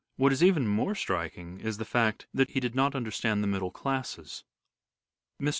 What is even more striking is the fact that he did not understand the middle classes. Mr.